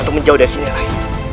untuk menjauh dari sini rai